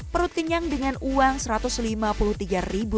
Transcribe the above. perut kenyang dengan uang rp satu ratus lima puluh tiga